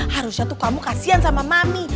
harusnya tuh kamu kasian sama mami